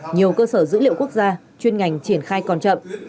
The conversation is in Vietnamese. nhiều cơ sở dữ liệu quốc gia chuyên ngành triển khai còn chậm